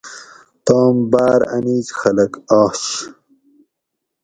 توم باٞر انیج خلک آش